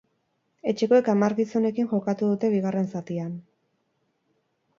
Etxekoek hamar gizonekin jokatu dute bigarren zatian.